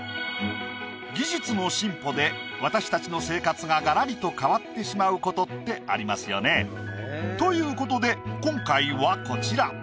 技術の進歩で私たちの生活ががらりと変わってしまうことってありますよね。ということで今回はこちら。